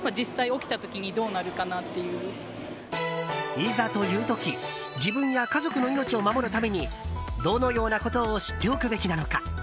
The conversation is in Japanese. いざという時自分や家族の命を守るためにどのようなことを知っておくべきなのか？